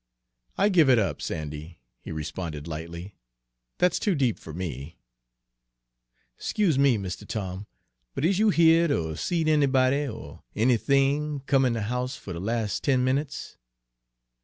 "I give it up, Sandy," he responded lightly. "That's too deep for me." "'Scuse me, Mistuh Tom, but is you heared er seed anybody er anything come in de house fer de las' ten minutes?"